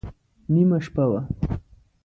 نیمه شپه وه.